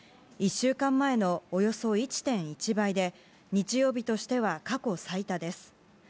１週間前のおよそ１．１倍で日曜日としては過去最多です。